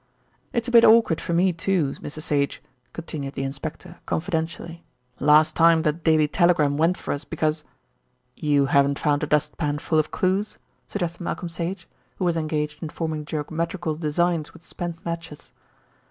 "It's a bit awkward for me, too, Mr. Sage," continued the inspector, confidentially. "Last time The Daily Telegram went for us because " "You haven't found a dust pan full of clues?" suggested Malcolm Sage, who was engaged in forming geometrical designs with spent matches.